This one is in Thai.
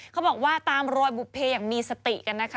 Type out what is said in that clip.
เขาบอกว่าตามรอยบุภเพอย่างมีสติกันนะคะ